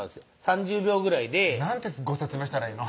３０秒ぐらいで何てご説明したらいいの？